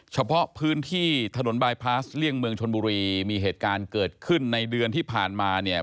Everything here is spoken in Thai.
เฉพาะพื้นที่ถนนบายพาสเลี่ยงเมืองชนบุรีมีเหตุการณ์เกิดขึ้นในเดือนที่ผ่านมาเนี่ย